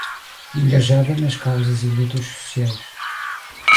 Engajada nas causas e lutas sociais